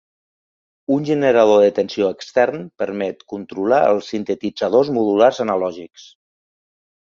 Un generador de tensió extern permet controlar els sintetitzadors modulars analògics.